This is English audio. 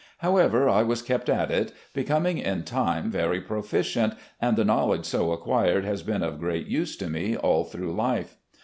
However, I was kept at it, becoming in time very proficient, and the knowledge so acquired has been of great use to me all through life.